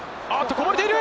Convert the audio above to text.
こぼれている！